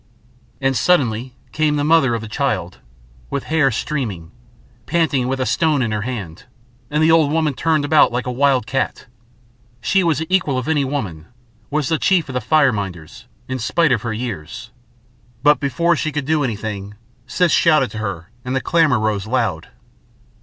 And suddenly came the mother of the child, with hair streaming, panting, and with a stone in her hand, and the old woman turned about like a wild cat. She was the equal of any woman, was the chief of the fire minders, in spite of her years; but before she could do anything Siss shouted to her and the clamour rose loud.